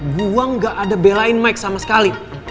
gue gak ada belain maik sama sekali